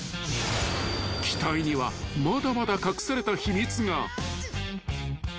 ［機体にはまだまだ隠された秘密が］